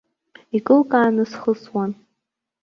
Икылкааны схысуан.